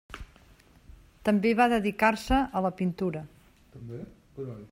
També va dedicar-se a la pintura.